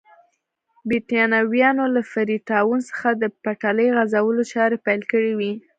برېټانویانو له فري ټاون څخه د پټلۍ غځولو چارې پیل کړې وې.